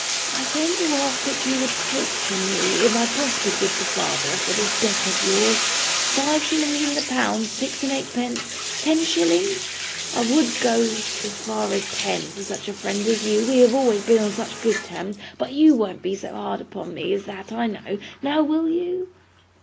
I came to ask what you would take from me, if I prospered with the father, for this debt of yours. Five shillings in the pound, six and eightpence, ten shillings? I WOULD go as far as ten for such a friend as you, we have always been on such good terms, but you won't be so hard upon me as that, I know. Now, will you?